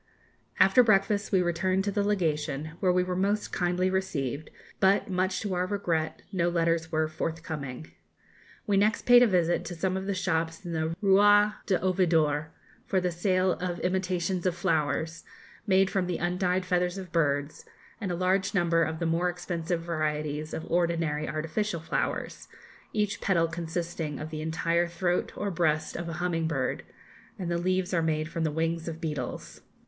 After breakfast we returned to the Legation, where we were most kindly received, but, much to our regret, no letters were forthcoming. We next paid a visit to some of the shops in the Rua do Ouvidor, for the sale of imitations of flowers, made from the undyed feathers of birds, and a large number of the more expensive varieties of ordinary artificial flowers, each petal consisting of the entire throat or breast of a humming bird, and the leaves are made from the wings of beetles.